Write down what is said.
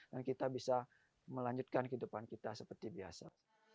dan kita bisa melanjutkan kehidupan kita seperti biasa